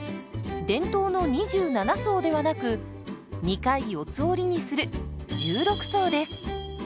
伝統の２７層ではなく２回四つ折りにする１６層です。